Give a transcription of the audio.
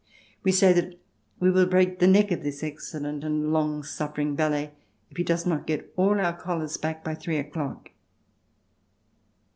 We say that we will break the neck of this excellent and long suffering valet if he does not get all our collars back by three o'clock.